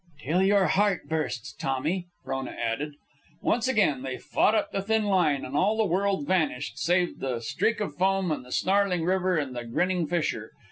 "Till your heart bursts, Tommy," Frona added. Once again they fought up the thin line, and all the world vanished, save the streak of foam, and the snarling water, and the grinning fissure.